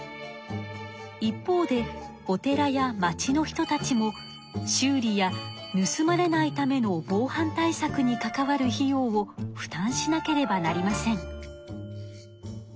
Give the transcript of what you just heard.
一方でお寺や町の人たちも修理やぬすまれないための防犯対策に関わる費用を負担しなければなりません。